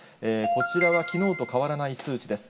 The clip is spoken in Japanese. こちらはきのうと変わらない数値です。